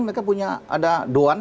mereka punya ada doan